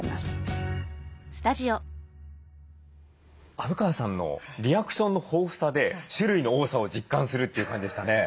虻川さんのリアクションの豊富さで種類の多さを実感するという感じでしたね。